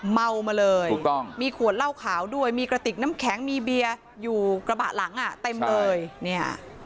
เมามาเลยถูกต้องมีขวดเหล้าขาวด้วยมีกระติกน้ำแข็งมีเบียร์อยู่กระบะหลังอ่ะเต็มเลยเนี่ย